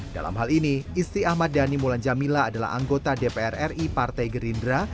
dalam hal ini istri ahmad dhani mulan jamila adalah anggota dpr ri partai gerindra